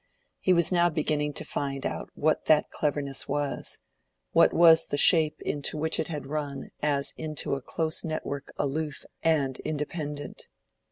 He was now beginning to find out what that cleverness was—what was the shape into which it had run as into a close network aloof and independent.